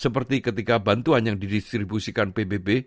seperti ketika bantuan yang didistribusikan pbb